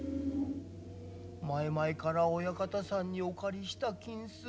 前々から親方さんにお借りした金子。